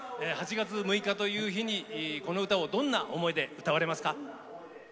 ８月６日という日にこの歌をどんな思いで歌われますか？